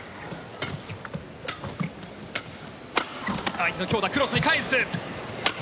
相手の強打、クロスに返す。